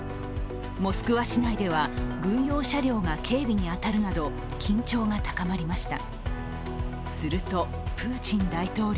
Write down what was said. モスクワ市内では軍用車両が警備に当たるなど緊張が高まりました。